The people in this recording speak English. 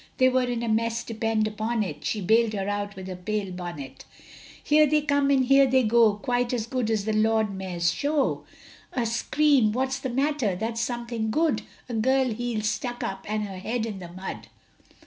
They were in a mess, depend upon it, She bailed her out with her plate bonnet. Here they come and there they go, Quite as good as the Lord Mayor's Show; A scream! what's the matter? that's something good. A girl's heels stuck up, and her head in the mud.